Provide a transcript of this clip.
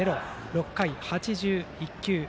６回８１球。